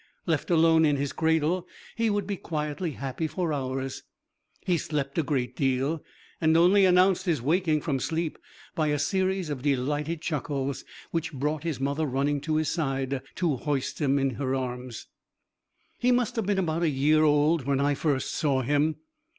Left alone in his cradle he would be quietly happy for hours; he slept a great deal, and only announced his waking from sleep by a series of delighted chuckles, which brought his mother running to his side to hoist him in her arms. He must have been about a year old when I first saw him.